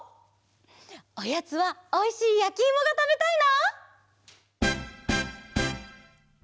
おやつはおいしいやきいもがたべたいな！